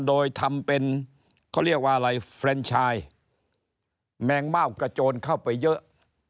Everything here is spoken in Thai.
โดยทำเป็นเขาเรียกว่าอะไรเฟรนชายแมงเม่ากระโจนเข้าไปเยอะ